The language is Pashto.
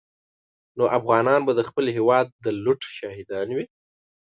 نو افغانان به د خپل هېواد د لوټ شاهدان وي.